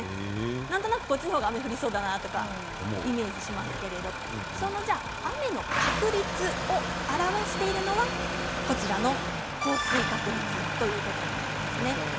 なんとなく上の方が雨が降りそうとかイメージしますけれど雨の確率を表しているのは降水確率ということになります。